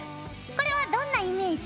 これはどんなイメージ？